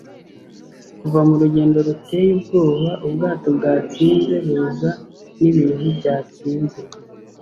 kuva murugendo ruteye ubwoba ubwato bwatsinze buza nibintu byatsinze